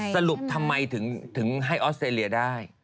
สรุปทำไมถึงให้ออสเตรเลียได้